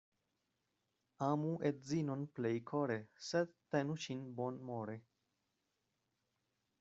Amu edzinon plej kore, sed tenu ŝin bonmore.